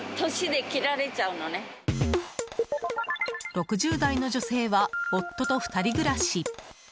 ６０代の女性は夫と２人暮らし。